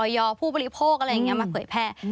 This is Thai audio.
ผู้บริโภคอะไรอย่างนี้มาเผยแพร่